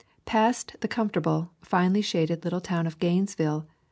Passed the comfortable, finely shaded little town of Gainesville.